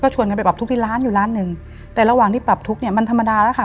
ชวนกันไปปรับทุกข์ที่ร้านอยู่ร้านหนึ่งแต่ระหว่างที่ปรับทุกข์เนี่ยมันธรรมดาแล้วค่ะ